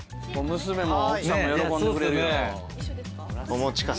娘も奥さんも喜んでくれるよ。